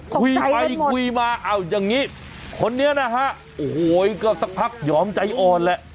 คุยไปคุยมาเอาอย่างนี้คนนี้นะฮะโอ้โหก็สักพักยอมใจอ่อนแหละ